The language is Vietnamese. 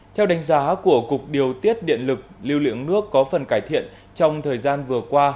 theo đánh giá của cục điều tiết điện lực lưu lượng nước có phần cải thiện trong thời gian vừa qua